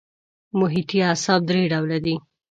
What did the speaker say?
محیطي اعصاب درې ډوله دي.